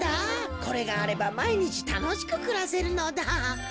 これがあればまいにちたのしくくらせるのだ。